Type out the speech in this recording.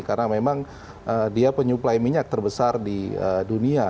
karena memang dia penyuplai minyak terbesar di dunia